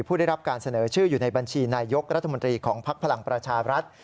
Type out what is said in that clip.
ผู้ได้รับการเสนอชื่ออยู่ในบัญชีนายกรัฐมนตรีของภักดิ์พลังประชาบรัฐ